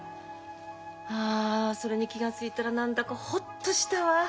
はあそれに気が付いたら何だかホッとしたわ。